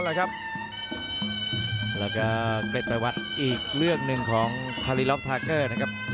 แล้วก็เป็นประวัติอีกเรื่องหนึ่งของฮาลีล็อกทาเกอร์นะครับ